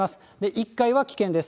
１階は危険です。